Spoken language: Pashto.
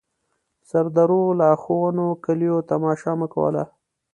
سردرو، لاښونو، کليو تماشه مو کوله.